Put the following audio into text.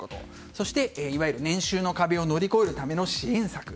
そして、いわゆる年収の壁を乗り越えるための支援策。